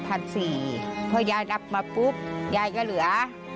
พอยายรับมาปุ๊บยายก็เหลือ